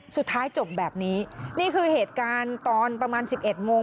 สุดท้ายจบแบบนี้นี่คือเหตุการณ์ตอนประมาณ๑๑โมง